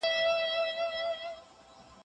د دولتي پلان په اساس فردي څېړني ښې پایلي لري.